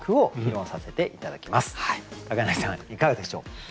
いかがでしょう？